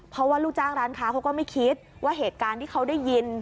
เพราะว่าลูกจ้างร้านค้าเขาก็ไม่คิดว่าเหตุการณ์ที่เขาได้ยิน